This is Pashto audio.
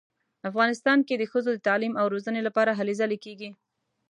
افغانستان کې د ښځو د تعلیم او روزنې لپاره هلې ځلې کیږي